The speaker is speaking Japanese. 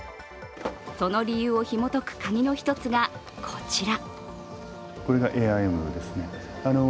その理由をひもとくカギの１つがこちら。